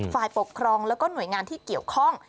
ฝ่ายปกครองแล้วก็หน่วยงานที่เกี่ยวข้อง